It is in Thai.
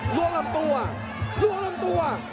ล่วงลำตัวล่วงลำตัว